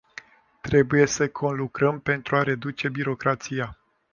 Trebuie să conlucrăm pentru a reduce birocrația.